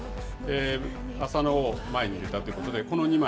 浅野を前に入れたということで、この２枚。